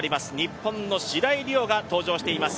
日本の白井璃緒が登場しています。